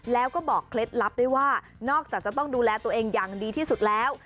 แล้วก็บอกเคล็ดลับด้วยว่านอกจากจะต้องดูแลตัวเองอย่างดีที่สุดแล้ว